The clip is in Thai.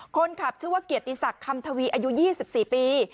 คนขับชื่อว่าเกียรติศักดิ์คำทวีอายุ๒๔ปี